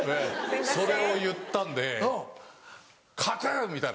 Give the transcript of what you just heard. それを言ったんで「賀来！」